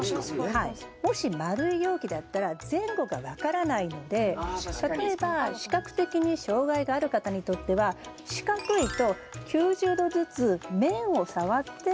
もし丸い容器だったら前後が分からないので例えば視覚的に障害がある方にとっては四角いと９０度ずつ面を触って動かすことができますよね。